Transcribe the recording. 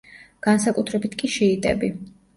განსაკუთრებით კი შიიტები.